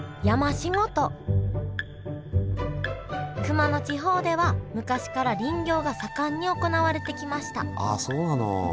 熊野地方では昔から林業が盛んに行われてきましたああそうなの。